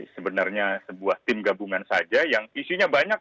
sebenarnya sebuah tim gabungan saja yang isinya banyak